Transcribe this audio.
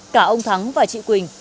cả ông thắng và chị quỳnh